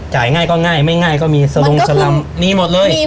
จ่ายง่ายก็ง่ายไม่ง่ายก็มีสลมนี่หมดเลย